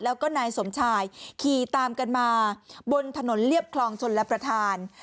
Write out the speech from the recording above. แล้วก็นายสมชายขี่ตามกันมาบนถนนเรียบคลองชนรับประทาน